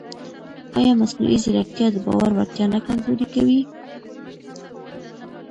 ایا مصنوعي ځیرکتیا د باور وړتیا نه کمزورې کوي؟